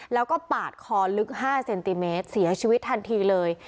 แล้วก็ปาดคอลึก๕เซนติเมตรเสียชีวิตทันทีเลย